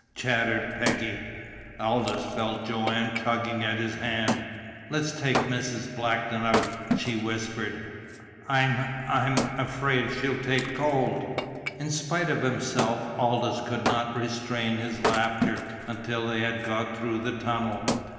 chattered Peggy. Aldous felt Joanne tugging at his hand. "Let's take Mrs. Blackton out," she whispered. "I'm I'm afraid she'll take cold!" In spite of himself Aldous could not restrain his laughter until they had got through the tunnel.